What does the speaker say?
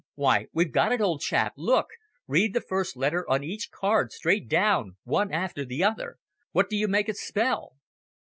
Why, we've got it, old chap! Look! Read the first letter on each card straight down, one after the other? What do you make it spell?"